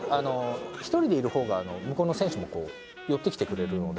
１人でいる方が向こうの選手も寄ってきてくれるので。